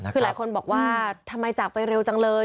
คือหลายคนบอกว่าทำไมจากไปเร็วจังเลย